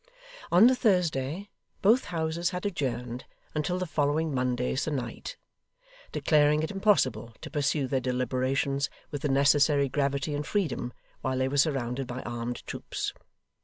On the Thursday, both Houses had adjourned until the following Monday se'nnight, declaring it impossible to pursue their deliberations with the necessary gravity and freedom, while they were surrounded by armed troops.